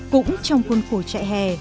cũng trong quân cổ trại hè